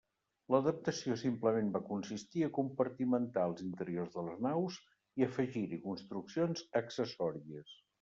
L'adaptació simplement va consistir a compartimentar els interiors de les naus i afegir-hi construccions accessòries.